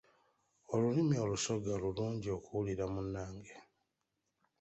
Olulimi olusoga lulungi okuwulira munnange.